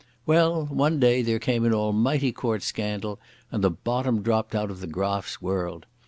Well, one day there came an almighty court scandal, and the bottom dropped out of the Graf's world.